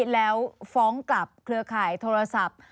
แล้วฟ้องกลับเครือข่ายโทรศัพท์